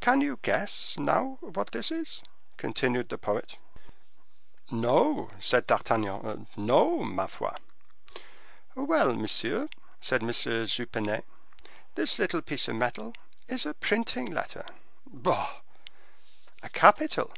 "Can you guess, now, what this is?" continued the poet. "No," said D'Artagnan, "no, ma foi!" "Well, monsieur," said M. Jupenet, "this little piece of metal is a printing letter." "Bah!" "A capital."